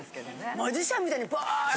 マジシャンみたいにパーッて。